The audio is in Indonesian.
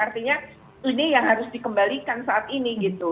artinya ini yang harus dikembalikan saat ini gitu